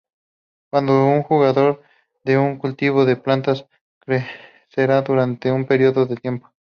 Cuando un jugador de un cultivo de plantas, crecerá durante un período de tiempo.